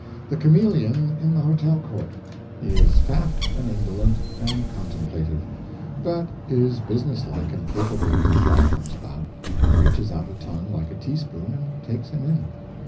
The chameleon in the hotel court. He is fat and indolent and contemplative; but is business like and capable when a fly comes about reaches out a tongue like a teaspoon and takes him in.